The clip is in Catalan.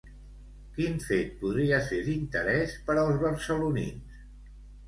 Quin fet podria ser d'interès per als barcelonins?